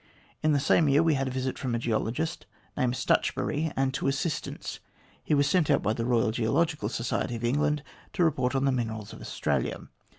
In the same year we had a visit from a geologist named Stutchbury, and two assistants. He was sent out by the Royal Geological Society of England to report on the minerals of Australia.